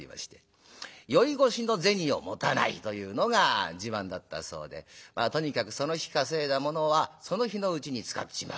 宵越しの銭を持たないというのが自慢だったそうでとにかくその日稼いだものはその日のうちに使っちまう。